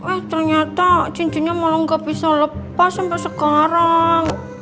eh ternyata cincinnya malah gak bisa lepas sampai sekarang